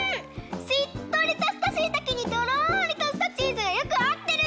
しっとりとしたしいたけにとろりとしたチーズがよくあってる！